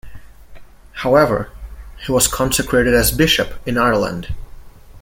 However, he was consecrated as bishop in Ireland.